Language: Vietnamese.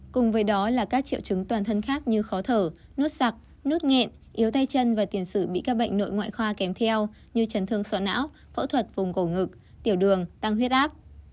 cùng với đó là các triệu chứng toàn thân khác như khó thở nuốt sặc nút nghẹn yếu tay chân và tiền sử bị các bệnh nội ngoại khoa kèm theo như chấn thương sọ não phẫu thuật vùng cổ ngực tiểu đường tăng huyết áp